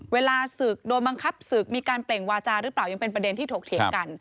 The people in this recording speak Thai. เวลาศึกโดนบังคับศึกมีการเปล่งวาจาหรือเปล่ายังเป็นประเด็นที่ถกเถียงกัน